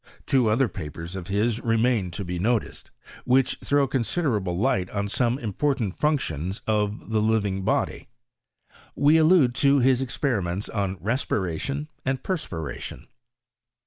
Two other papers of his remain to be noticed, which throw considerable light on some important functions of the living body : we allude to his experiments on respiration and perspiration.